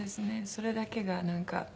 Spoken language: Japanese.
それだけがなんか。